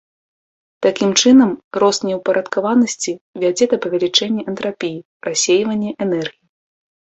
Такім чынам, рост неўпарадкаванасці вядзе да павялічэння энтрапіі, рассейвання энергіі.